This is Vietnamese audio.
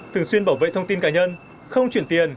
thường xuyên bảo vệ thông tin cá nhân không chuyển tiền